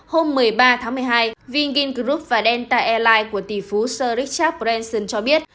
hôm một mươi ba tháng một mươi hai vingin group và delta airlines của tỷ phú sir richard branson cho biết